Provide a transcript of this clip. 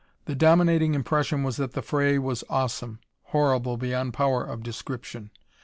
The dominating impression was that the fray was awesome, horrible beyond power of description.